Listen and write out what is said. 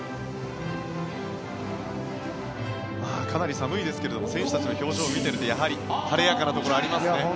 かなり寒いですけども選手たちの表情を見ているとやはり晴れやかなところがありますね。